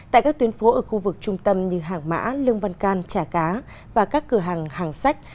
tại các tuyến phố ở khu vực trung tâm như hàng mã lương văn can trà cá và các cửa hàng hàng sách